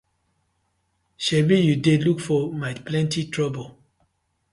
Sebi yu dey look for my plenty trouble.